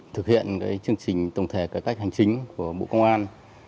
thực hiện chương trình tổng thể cải cách hành chính của bộ công an